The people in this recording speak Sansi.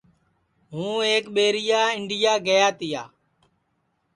ہوں ایک ٻیریا انڈیا گیا تیا